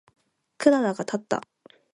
クララがたった。